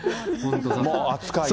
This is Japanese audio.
もう扱いが。